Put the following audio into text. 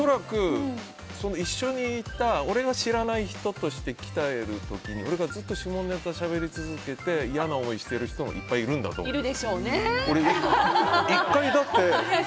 一緒にいた俺は知らない人としてきている時に俺がずっと下ネタしゃべり続けて嫌な思いしている人もいっぱいいるんだと思う。